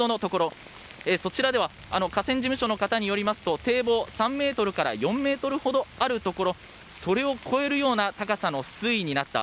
そちらでは河川事務所の方によりますと堤防３ｍから４ｍほどあるところそれを越えるような高さの水位になった。